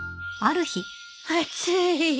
暑い。